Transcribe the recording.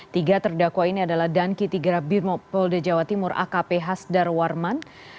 tiga terdakwa ini adalah danki tigara birmo polda jawa timur akp hasdar warman